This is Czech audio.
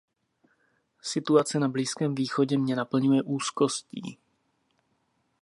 Situace na Blízkém východě mě naplňuje úzkostí.